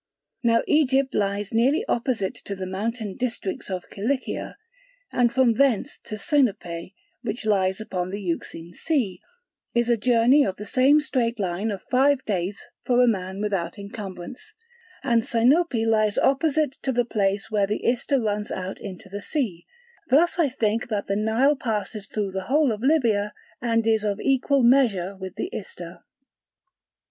Now Egypt lies nearly opposite to the mountain districts of Kilikia; and from thence to Sinope, which lies upon the Euxine Sea, is a journey in the same straight line of five days for a man without encumbrance; and Sinope lies opposite to the place where the Ister runs out into the sea: thus I think that the Nile passes through the whole of Libya and is of equal measure with the Ister.